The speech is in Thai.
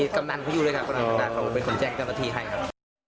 กำนังเขาอยู่ด้วยครับเขาเป็นคนแจ้งกรรมทีให้ครับ